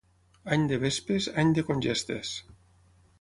Any de vespes, any de congestes.